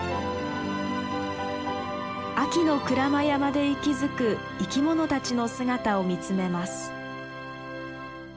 秋の鞍馬山で息づく生き物たちの姿を見つめます。